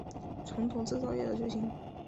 传统制造业的救星